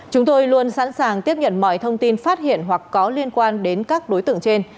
chúng tôi luôn sẵn sàng tiếp nhận mọi thông tin phát hiện hoặc có liên quan đến các đối tượng trên